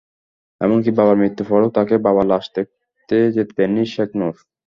এমনকি বাবার মৃত্যুর পরও তাঁকে বাবার লাশ দেখতে যেতে দেননি শেখ নূর।